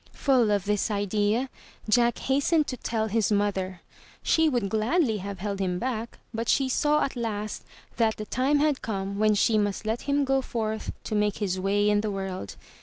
Full of this idea, Jack hastened to tell his mother. She would gladly have held him back, but she saw at last that the time had come when she must let him go forth to make his way in the world.